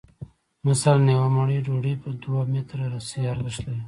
مثلاً یوه مړۍ ډوډۍ په دوه متره رسۍ ارزښت لري